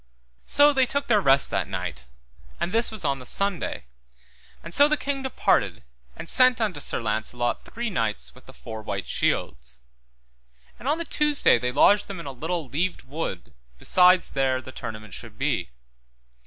So they took their rest that night, and this was on the Sunday, and so the king departed, and sent unto Sir Launcelot three knights with the four white shields. And on the Tuesday they lodged them in a little leaved wood beside there the tournament should be.